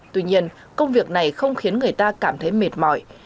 tuy nhiên công việc này không khiến người ta cảm thấy mệt mỏi